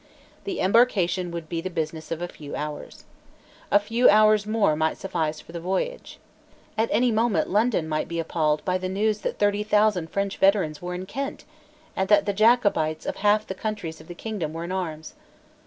The embarkation would be the business of a few hours. A few hours more might suffice for the voyage. At any moment London might be appalled by the news that thirty thousand French veterans were in Kent, and that the Jacobites of half the counties of the kingdom were in arms.